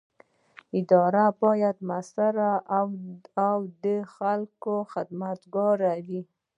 اداره باید مؤثره او د خلکو خدمتګاره وي.